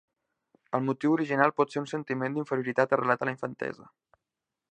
El motiu original pot ser un sentiment d'inferioritat arrelat a la infantesa.